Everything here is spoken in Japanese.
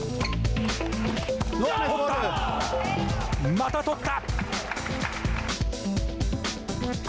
また取った。